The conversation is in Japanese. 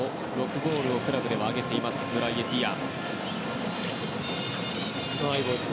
６ゴールをクラブでも挙げているブライエ・ディア。